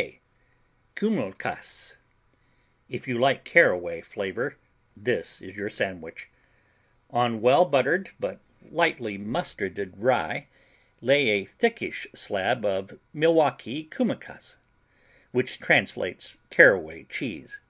K Kümmelkäse If you like caraway flavor this is your sandwich: On well buttered but lightly mustarded rye, lay a thickish slab of Milwaukee Kümmelkäse, which translates caraway cheese.